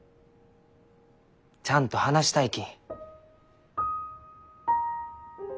ちゃんと話したいき。